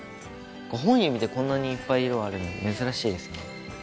５本指でこんなにいっぱい色あるの珍しいですね。